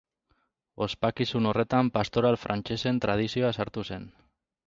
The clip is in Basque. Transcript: Ospakizun horretan pastoral frantsesen tradizioa sartu zen.